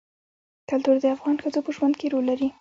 کلتور د افغان ښځو په ژوند کې رول لري.